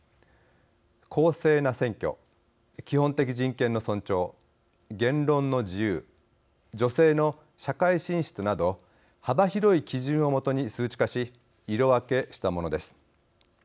「公正な選挙」「基本的人権の尊重」「言論の自由」「女性の社会進出」など幅広い基準をもとに数値化し色分けしたものです。